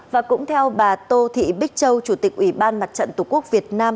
và cũng theo bà tô thị bích châu chủ tịch ủy ban mặt trận tổ quốc việt nam